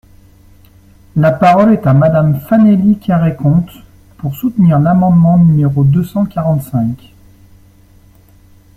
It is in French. La parole est à Madame Fanélie Carrey-Conte, pour soutenir l’amendement numéro deux cent quarante-cinq.